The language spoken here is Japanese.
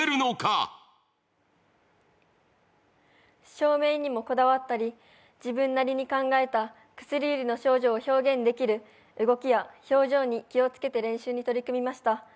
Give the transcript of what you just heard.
照明にもこだわったり、自分なりに考えた薬売りの少女を表現できる動きや表情に気をつけて練習に取り組みました。